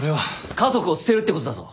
家族を捨てるってことだぞ！